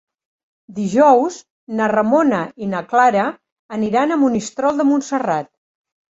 Dijous na Ramona i na Clara aniran a Monistrol de Montserrat.